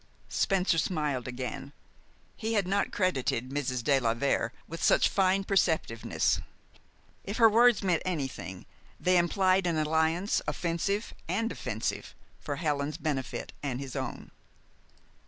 Spencer smiled again. He had not credited Mrs. de la Vere with such fine perceptiveness. If her words meant anything, they implied an alliance, offensive and defensive, for Helen's benefit and his own.